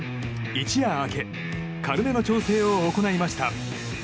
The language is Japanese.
一夜明け軽めの調整を行いました。